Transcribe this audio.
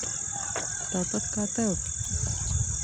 Tāpat kā tev.